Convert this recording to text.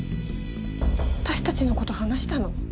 私たちのこと話したの！？